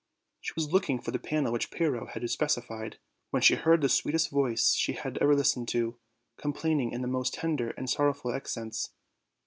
She was looking for the panel which Pyrrho had specified, when she heard the sweetest voice she had ever listened to, complaining in the most tender and sorrowful accents.